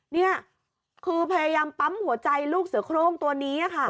นี่คือพยายามปั๊มหัวใจลูกเสือโครงตัวนี้ค่ะ